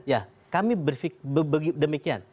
ya kami demikian